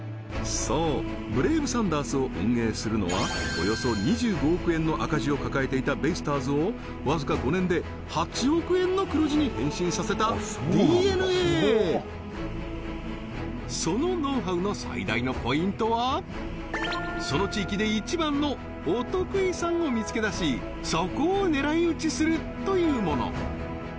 そうブレイブサンダースを運営するのはおよそ２５億円の赤字を抱えていたベイスターズをわずか５年で８億円の黒字に変身させたＤｅＮＡそのノウハウの最大のポイントはその地域で一番のお得意さんを見つけ出しそこを狙い撃ちするというもの